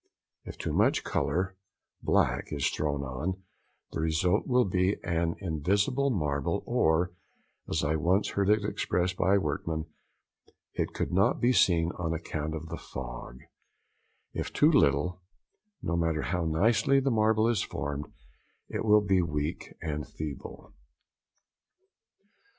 If too much colour (black) is thrown on, the result will be an invisible marble, or, as I once heard it expressed by a workman, "it could not be seen on account of the fog;" if too little, no matter how nicely the marble is formed, it will be weak and feeble.